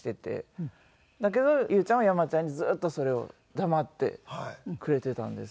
だけど優ちゃんは山ちゃんにずっとそれを黙ってくれていたんです。